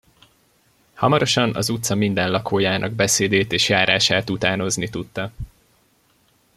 Hamarosan az utca minden lakójának beszédét és járását utánozni tudta.